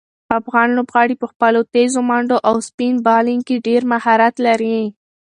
افغان لوبغاړي په خپلو تېزو منډو او سپین بالنګ کې ډېر مهارت لري.